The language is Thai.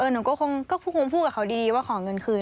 หนูก็คงพูดกับเขาดีว่าขอเงินคืน